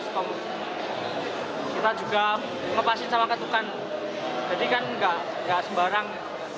kita juga ngepasin sama ketukan jadi kan nggak sembarang